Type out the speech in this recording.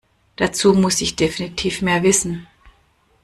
Dazu muss ich definitiv mehr wissen.